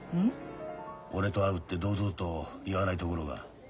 俺と会うって堂々と言わないところが。